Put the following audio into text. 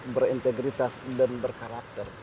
berintegritas dan berkarakter